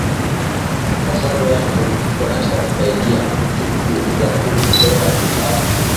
Mposholo yangu iko na saidia nju ya ku zola buchafu